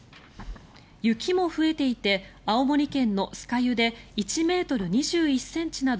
雪も増えていて青森県の酸ケ湯で１ｍ２１ｃｍなど